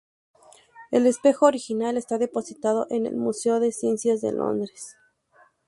El espejo original está depositado en el Museo de Ciencias de Londres.